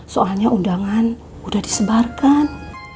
soalnya undangan udah disebarkan